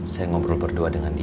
saya ngobrol berdua dengan dia